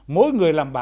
mỗi người làm báo